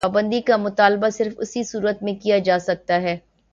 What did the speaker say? پابندی کا مطالبہ صرف اسی صورت میں کیا جا سکتا ہے۔